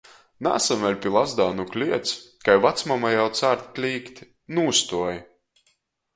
Naasam vēļ pi Lazdānu kliets, kai vacmama jau cārt klīgt: Nūstuoj!